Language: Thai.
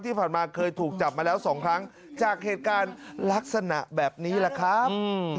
ที่ผ่านมาเคยถูกจับมาแล้วสองครั้งจากเหตุการณ์ลักษณะแบบนี้แหละครับ